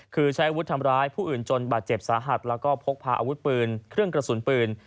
คือใช้อาวุธทำร้ายผู้อื่นจนบาดเจ็บสาหัสแล้วก็พกพาอาวุธปืนเครื่องกระสุนปืน